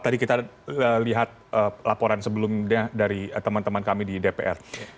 tadi kita lihat laporan sebelumnya dari teman teman kami di dpr